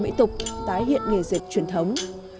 mỹ tục tái hiện nghề dịch truyền thống